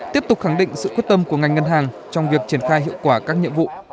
tiếp tục khẳng định sự quyết tâm của ngành ngân hàng trong việc triển khai hiệu quả các nhiệm vụ